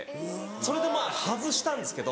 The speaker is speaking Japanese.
それでまぁ外したんですけど